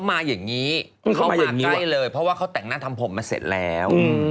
มาเสร็จแล้วเขาแต่งหน้าทำผมเสร็จแล้ว